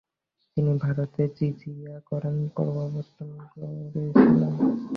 তিনি ভারতে জিজিয়া করের প্রবর্তন করেছিলেন।